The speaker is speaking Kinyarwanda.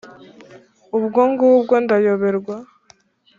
ubwo ngubwo ndayoberwa